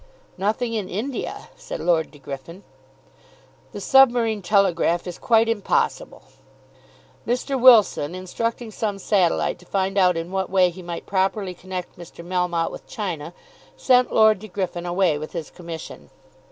"Nothing in India," said Lord De Griffin. "The submarine telegraph is quite impossible." Mr. Wilson, instructing some satellite to find out in what way he might properly connect Mr. Melmotte with China, sent Lord De Griffin away with his commission.